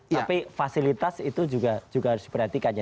tapi fasilitas itu juga harus diperhatikannya